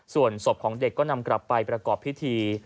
ส่วนศพของเด็กก็นำกลับไปประกอบพิธี